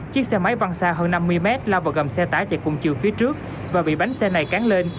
chiếc xe máy văn xa hơn năm mươi mét lao vào gầm xe tải chạy cùng chiều phía trước và bị bánh xe này cán lên